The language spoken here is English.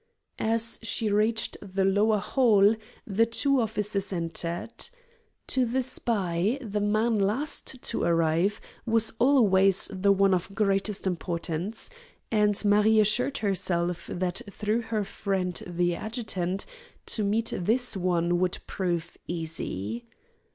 As she reached the lower hall the two officers entered. To the spy the man last to arrive was always the one of greatest importance; and Marie assured herself that through her friend, the adjutant, to meet with this one would prove easy.